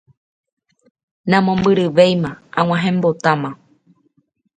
Namombyryvéima, ag̃uahẽmbotáma.